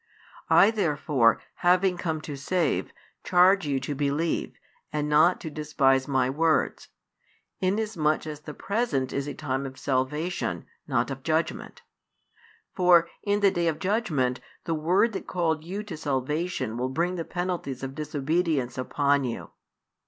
I therefore, having come to save, charge you to believe, and not to despise My words; inasmuch as the present is a time of salvation, not of judgment. For in the day of judgment, the word that called you to salvation will bring the penalties of disobedience upon you.